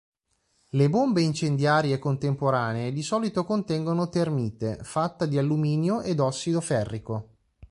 Le bombe incendiarie contemporanee di solito contengono termite, fatta di alluminio ed ossido ferrico.